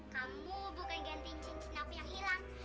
kamu bukan ganti cincin aku yang hilang